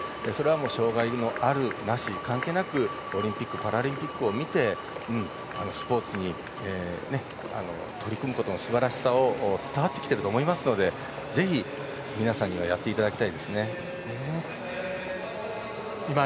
障がいがある、なし関係なくオリンピック・パラリンピックを見てスポーツに取り組むことのすばらしさが伝わってきてると思うのでぜひ、皆さんにはやっていただきたいですね。